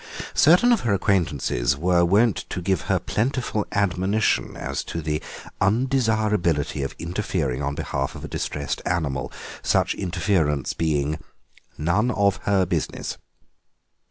Certain of her acquaintances were wont to give her plentiful admonition as to the undesirability of interfering on behalf of a distressed animal, such interference being "none of her business."